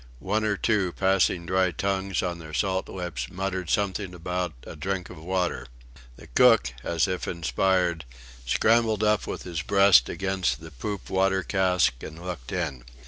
One or two, passing dry tongues on their salt lips, muttered something about a "drink of water." The cook, as if inspired, scrambled up with his breast against the poop water cask and looked in.